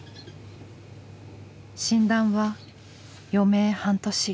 診断は余命半年。